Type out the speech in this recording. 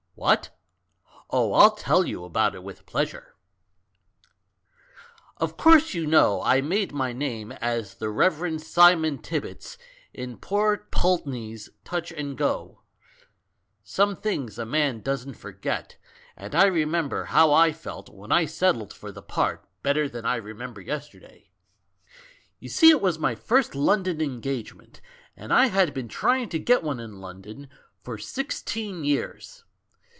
What? Oh, I'll tell you about it with pleasure! "Of course, you know I made my name as the 'Rev. Simon Tibbits' in poor Pulteney's Touch and Go. Some things a man doesn't forget, and I remember how I felt when I settled for the part 18 A VERY GOOD THING FOR THE GIRL 1& better than I remember yesterday. You see it was my first London engagement, and I had been trying to get one in London for sixteen years.